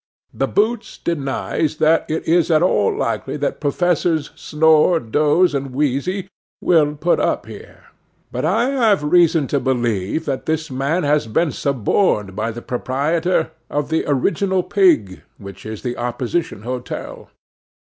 The boots denies that it is at all likely that Professors Snore, Doze, and Wheezy will put up here; but I have reason to believe that this man has been suborned by the proprietor of the Original Pig, which is the opposition hotel.